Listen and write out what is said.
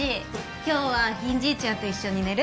今日は銀じいちゃんと一緒に寝る？